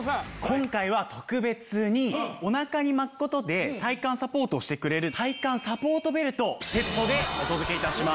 今回は特別におなかに巻く事で体幹サポートをしてくれる体幹サポートベルトをセットでお届け致します。